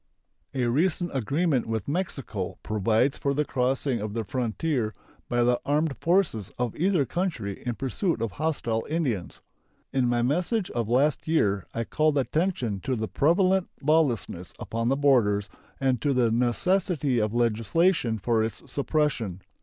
A recent agreement with Mexico provides for the crossing of the frontier by the armed forces of either country in pursuit of hostile Indians. In my message of last year I called attention to the prevalent lawlessness upon the borders and to the necessity of legislation for its suppression.